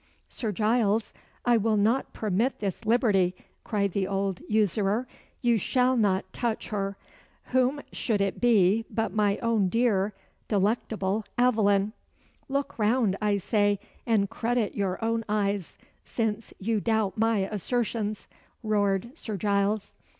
"Sir Giles, I will not permit this liberty," cried the old usurer. "You shall not touch her. Whom should it be but my own dear, delectable Aveline?" "Look round, I say, and credit your own eyes, since you doubt my assertions!" roared Sir Giles.